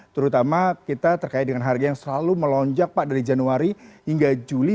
terutama kita terkait dengan harga yang selalu melonjak pak dari januari hingga juli